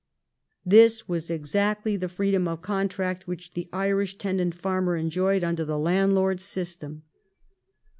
This was exactly the freedom of contract which the Irish tenant farmer enjoyed under the landlord system.